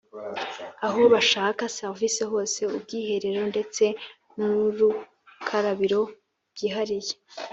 aho bashaka serivisi hose, ubwiherero ndetse n'urukarabiro byihariye.